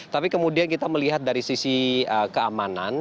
tapi kemudian kita melihat dari sisi keamanan